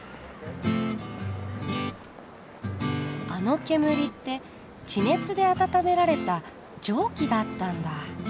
あの煙って地熱で暖められた蒸気だったんだ。